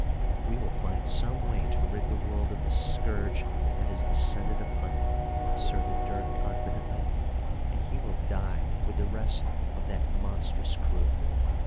"We will find some way to rid the world of the scourge that has descended upon it," asserted Dirk confidently, "and he will die with the rest of that monstrous crew."